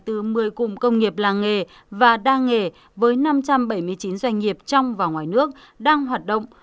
từ một mươi cụm công nghiệp làng nghề và đa nghề với năm trăm bảy mươi chín doanh nghiệp trong và ngoài nước đang hoạt động